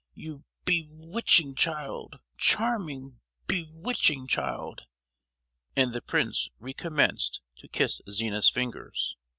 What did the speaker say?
you be—witching child, charming, be—witching child!" And the prince recommenced to kiss Zina's fingers.